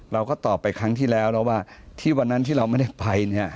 เราก็ตอบไปครั้งที่แล้วแล้วว่าที่วันนั้นที่เราไม่ได้ไปเนี่ย